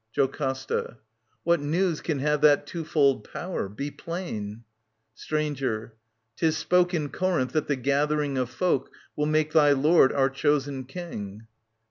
JoCASTA. What news can have that twofold power ? Be plain. Stranger. Tis spoke in Corinth that the gathering Of folk will make thy lord our chosen King.